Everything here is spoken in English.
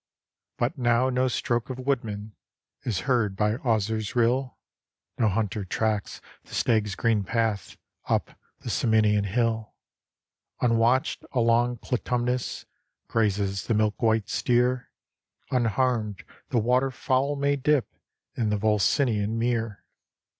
But now no stroke of woodman Is heard by Auser's rill ; No hunter tracks the stag's green path Up the Ciminian hill; Unwatched along Clitumnus Grazes the milk white steer; Unharmed the waterfowl may dip In the Volsinian mere.